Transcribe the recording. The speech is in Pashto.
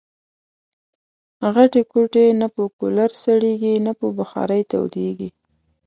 غټي کوټې نه په کولرسړېږي ، نه په بخارۍ تودېږي